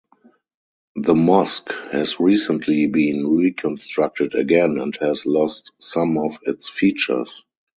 The mosque has recently been reconstructed again and has lost some of its features.